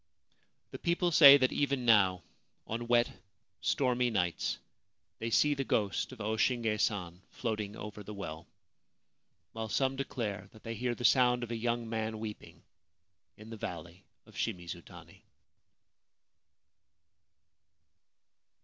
The people say that even now, on wet, stormy nights, they see the ghost of O Shinge San floating over the well, while some declare that they hear the sound of a young man weeping in the Valley of Shimizutani.